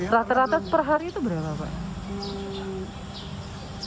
rata rata per hari itu berapa pak